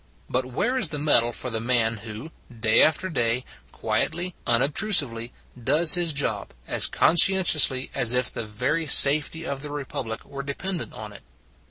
But where is the medal for the man who, day after day, quietly, unobtrusively, does his job, as conscientiously as if the very safety of the Republic were dependent on it?